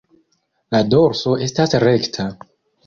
La dorso estas rekta.